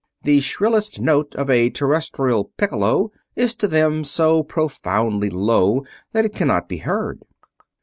The shrillest note of a Terrestrial piccolo is to them so profoundly low that it cannot be heard.